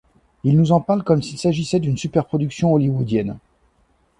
Il nous en parle comme s’il s’agissait d’une superproduction hollywoodienne.